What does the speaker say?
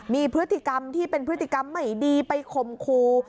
มีพฤติกรรมที่เป็นพฤติกรรมไม่ดีไปคมครู